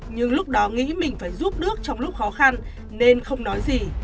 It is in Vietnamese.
nhưng lúc đó nghĩ mình phải giúp nước trong lúc khó khăn nên không nói gì